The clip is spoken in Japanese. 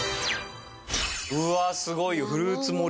うわあすごいよフルーツ盛り。